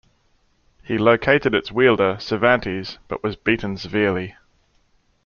He located its wielder, Cervantes, but was beaten severely.